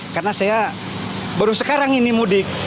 karena saya baru sekarang ini mudik